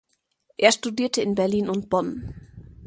Er studierte in Berlin und Bonn.